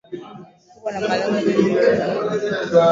huwa na malengo madogo mtu ambaye huwapongeza